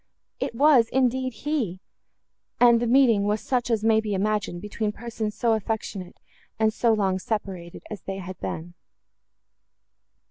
It was, indeed, he! and the meeting was such as may be imagined, between persons so affectionate, and so long separated as they had been.